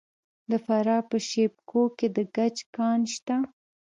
د فراه په شیب کوه کې د ګچ کان شته.